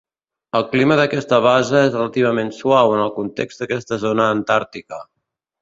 El clima d'aquesta base és relativament suau en el context d'aquesta zona antàrtica.